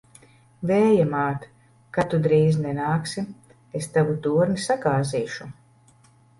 Vēja māt! Kad tu drīzi nenāksi, es tavu torni sagāzīšu!